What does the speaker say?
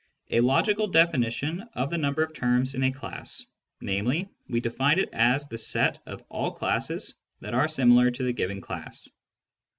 a logical definition of the number of terms in a class, namely, we defined it as the set of all classes that are similar to the given class.